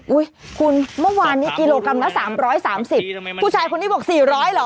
อุ๊ยคุณเมื่อวานนี้กิโลกรัมละ๓๓๐ผู้ชายคนนี้บอก๔๐๐เหรอ